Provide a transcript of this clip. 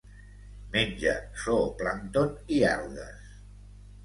Menja zooplàncton i algues.